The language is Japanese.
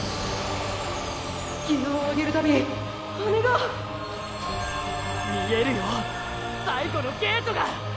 ギアを上げる度羽が見えるよ最後のゲートが。